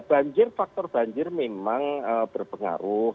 banjir faktor banjir memang berpengaruh